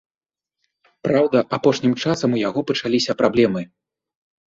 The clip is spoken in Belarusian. Праўда, апошнім часам у яго пачаліся праблемы.